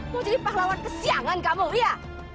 mau jadi pahlawan kesiangan kamu ya